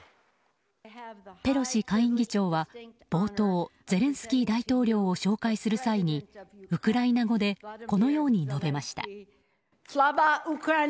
ペロシ下院議長は冒頭ゼレンスキー大統領を紹介する際に、ウクライナ語でこのように述べました。